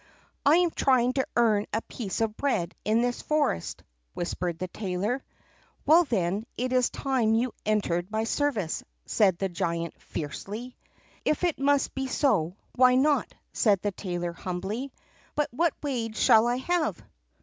"I am trying to earn a piece of bread in this forest," whispered the tailor. "Well, then, it is time you entered my service," said the giant fiercely. "If it must be so, why not?" said the tailor humbly; "but what wage shall I have?"